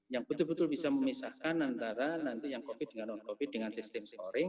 yang betul betul bisa memisahkan antara covid sembilan belas dengan non covid dengan sistem scoring